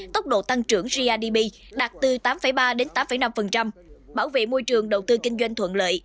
tốc độ tăng trưởng grdp đạt từ tám ba đến tám năm bảo vệ môi trường đầu tư kinh doanh thuận lợi